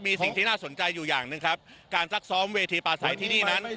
มีสิ่งที่น่าสนใจอยู่อย่างหนึ่งครับการซักซ้อมเวทีปลาใสที่นี่นั้น